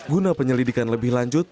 guna penyelidikan lebih lanjut